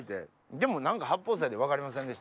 でも何か八宝菜で分かりませんでした？